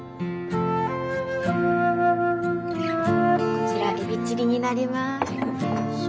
こちらエビチリになります。